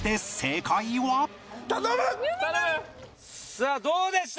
さあどうでした？